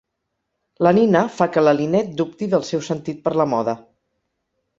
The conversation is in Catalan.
La Nina fa que la Lynette dubti del seu sentit per la moda.